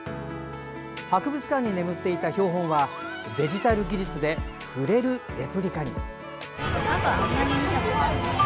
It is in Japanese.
博物館に眠っていた標本はデジタル技術で触れるレプリカに。